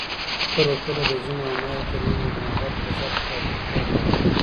کله کله د زوم او ناوي تر منځ د محبت فضا په تاوتريخوالي واوړي